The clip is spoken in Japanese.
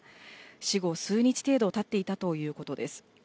死後数日程度たっていたということです。